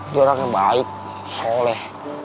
dia orang yang baik soleh